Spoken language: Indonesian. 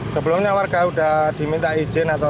sebelumnya warga sudah diminta izin atau